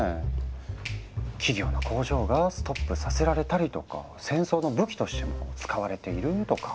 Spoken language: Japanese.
企業の工場がストップさせられたりとか戦争の武器としても使われているとか。